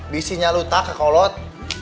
bisinya luta kekolot